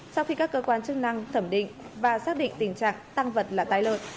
sau khi các cơ quan chức năng thẩm định và xác định tình trạng tăng vật là tài lợn